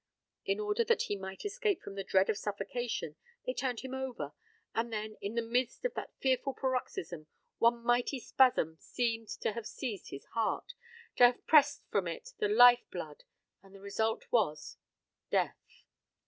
In order that he might escape from the dread of suffocation, they turned him over, and then, in the midst of that fearful paroxysm, one mighty spasm seemed to have seized his heart, to have pressed from it the life blood, and the result was death.